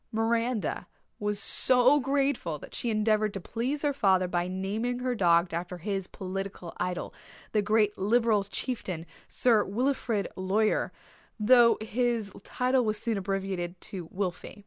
Miranda was so grateful that she endeavoured to please her father by naming her dog after his political idol, the great Liberal chieftain, Sir Wilfrid Laurier though his title was soon abbreviated to Wilfy.